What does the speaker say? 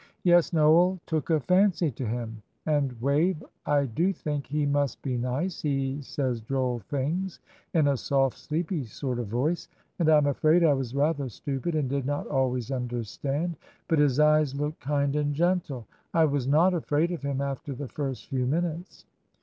"Yes, Noel took a fancy to him; and Wave, I do think he must be nice; he says droll things in a soft, sleepy sort of voice, and I am afraid I was rather stupid and did not always understand; but his eyes looked kind and gentle. I was not afraid of him after the first few minutes."